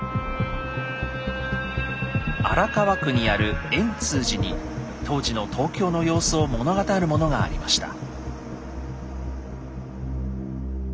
荒川区にある円通寺に当時の東京の様子を物語るものがありました。